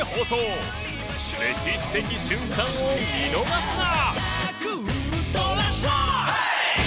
歴史的瞬間を見逃すな！